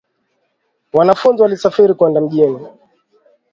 Wanafunzi walisafiri kwenda mjini.